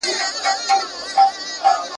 ځان یې هسي اخته کړی په زحمت وي !.